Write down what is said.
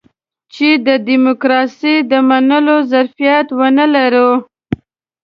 چې د ډيموکراسۍ د منلو ظرفيت ونه لرو.